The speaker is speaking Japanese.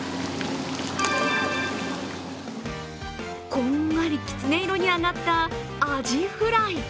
こんがりきつね色に揚がったアジフライ。